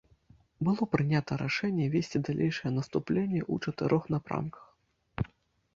Было прынята рашэнне весці далейшае наступленне ў чатырох напрамках.